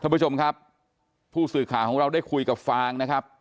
ผู้ชมครับผู้สื่อข่าวของเราได้คุยกับฟางนะครับ